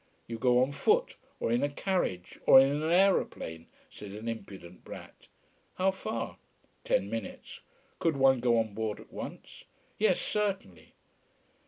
You go on foot, or in a carriage, or in an aeroplane, said an impudent brat. How far? Ten minutes. Could one go on board at once? Yes, certainly.